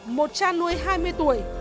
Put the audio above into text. một cha nuôi hai mươi tuổi